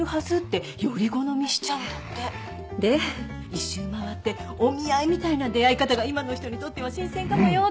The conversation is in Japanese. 一周回ってお見合いみたいな出会い方が今の人にとっては新鮮かもよって話で。